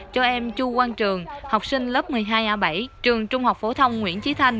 cho em chu quang trường học sinh lớp một mươi hai a bảy trường trung học phổ thông nguyễn trí thanh